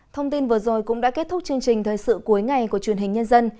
thông tin vừa rồi cũng đã kết thúc chương trình thời sự cuối ngày của truyền hình nhân dân